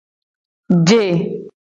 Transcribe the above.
Je.